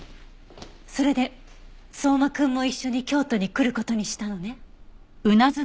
それで相馬くんも一緒に京都に来る事にしたのね？